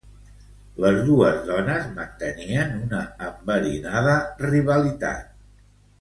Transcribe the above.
Les dos dones mantenien una enverinada rivalitat.